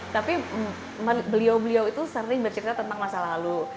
tapi beliau beliau itu sering bercerita tentang masa lalu